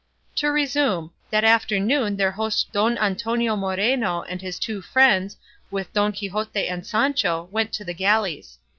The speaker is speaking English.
To resume; that afternoon their host Don Antonio Moreno and his two friends, with Don Quixote and Sancho, went to the galleys.